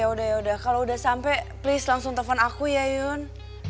udah sampe please langsung telfon aku ya yun